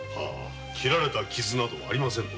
切られた傷などありませぬ。